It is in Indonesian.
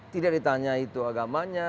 tidak ditanya itu agamanya